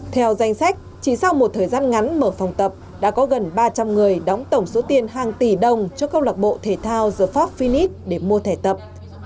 theo danh sách chỉ sau một thời gian ngắn mở phòng tập đã có gần ba trăm linh người đóng tổng số tiền hàng tỷ đồng cho câu lạc bộ thể thao deford philines để mua thẻ tập